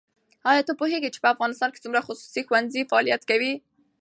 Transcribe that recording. ایا ته پوهېږې چې په افغانستان کې څومره خصوصي ښوونځي فعالیت کوي؟